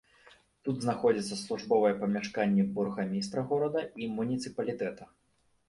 Тут знаходзяцца службовыя памяшканні бургамістра горада і муніцыпалітэта.